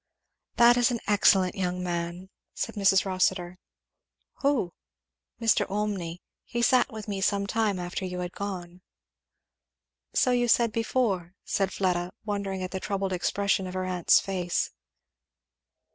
"That is an excellent young man!" said Mrs. Rossitur. "Who?" "Mr. Olmney. He sat with me some time after you had gone." "So you said before," said Fleda, wondering at the troubled expression of her aunt's face.